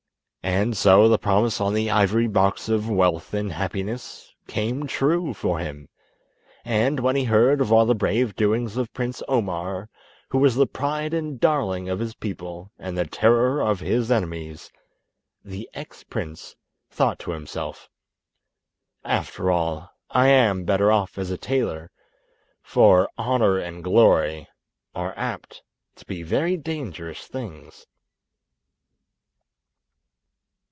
And so the promise on the ivory box of "Wealth and Happiness" came true for him, and when he heard of all the brave doings of Prince Omar, who was the pride and darling of his people and the terror of his enemies, the ex prince thought to himself, "After all, I am better off as a tailor, for 'Honour and Glory' are apt to be very dangerous things."